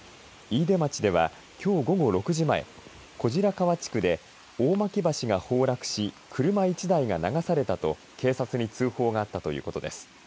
飯豊町では、きょう午後６時前小白川地区で大巻橋が崩落し車１台が流されたと警察に通報があったということです。